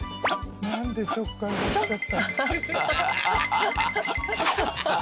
なんでちょっかい出しちゃったの？